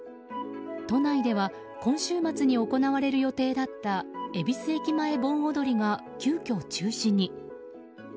都内では今週末に行われる予定だった恵比寿駅前盆踊りが急きょ中止に。